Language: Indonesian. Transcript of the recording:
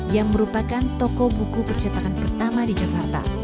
yang merupakan toko buku percetakan pertama di jakarta